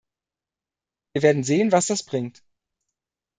Wir werden sehen, was das bringt.